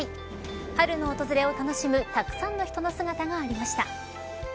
春の訪れを楽しむたくさんの人の姿がありました。